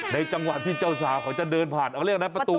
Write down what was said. จังหวะที่เจ้าสาวเขาจะเดินผ่านเอาเรียกนะประตู